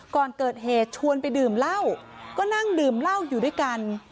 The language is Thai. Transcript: ก่อนเกิดเหตุชวนไปดื่มเหล้าก็นั่งดื่มเหล้าอยู่ด้วยกัน